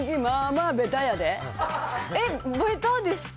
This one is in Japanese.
あっ、そうですか。